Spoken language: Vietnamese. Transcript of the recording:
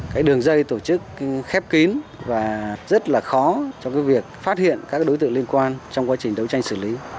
cái đường dây tổ chức khép kín và rất là khó trong cái việc phát hiện các đối tượng liên quan trong quá trình đấu tranh xử lý